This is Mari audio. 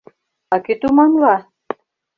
А кӧ туманла?